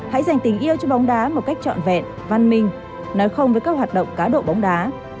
hãy dành tình yêu cho bóng đá một cách trọn vẹn văn minh nói không với các hoạt động cá độ bóng đá